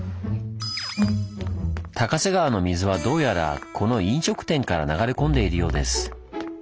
高瀬川の水はどうやらこの飲食店から流れ込んでいるようです。